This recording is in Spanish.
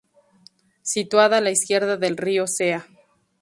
Situada a la izquierda del río Cea.